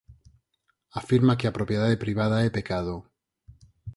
Afirma que a propiedade privada é pecado...